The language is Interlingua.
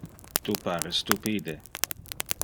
Tu pare stupide.